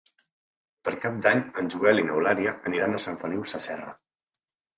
Per Cap d'Any en Joel i n'Eulàlia aniran a Sant Feliu Sasserra.